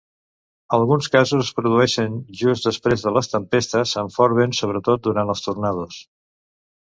Alguns casos es produeixen just després de les tempestes amb fort vent, sobretot durant els tornados.